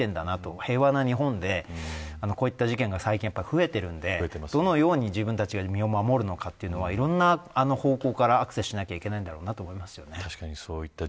平和な日本で、こういった事件が最近増えているんでどのように自分たちが身を守るのかというのはいろんな方向からアクセスしなければいけないんだろう